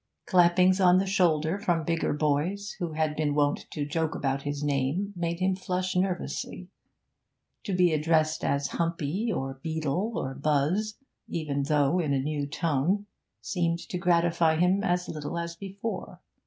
Clappings on the shoulder from bigger boys who had been wont to joke about his name made him flush nervously; to be addressed as 'Humpy,' or 'Beetle,' or 'Buz,' even though in a new tone, seemed to gratify him as little as before.